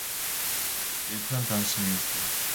일편단심일세